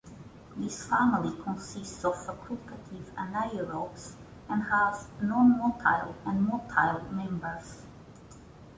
This family consists of facultative anaerobes and has non-motile and motile members.